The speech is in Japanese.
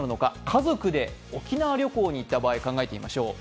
家族で沖縄旅行に行った場合を考えてみましょう。